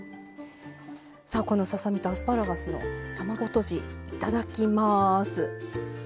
さあこのささ身とアスパラガスの卵とじいただきます。